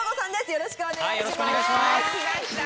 よろしくお願いします。